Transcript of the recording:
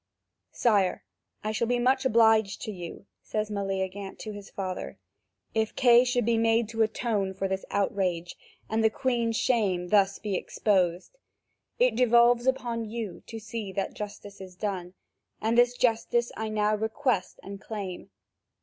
"Sire, I shall be much obliged to you," says Meleagant to his father, "if Kay shall be made to atone for this outrage, and the Queen's shame thus be exposed. It devolves upon you to see that justice is done, and this justice I now request and claim.